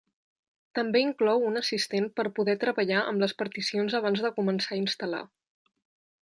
També inclou un assistent per poder treballar amb les particions abans de començar a instal·lar.